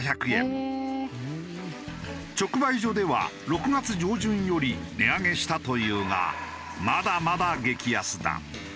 直売所では６月上旬より値上げしたというがまだまだ激安だ。